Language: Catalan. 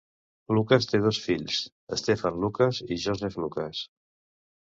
Lucas té dos fills: Stephen Lucas i Joseph Lucas.